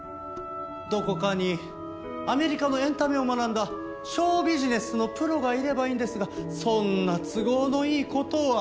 どこかにアメリカのエンタメを学んだショービジネスのプロがいればいいんですがそんな都合のいい事は。